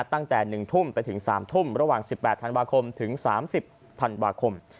ตั้งแต่๑ทุ่มไปถึง๓ทุ่มระหว่าง๑๘ธันวาคมถึง๓๐ธันวาคม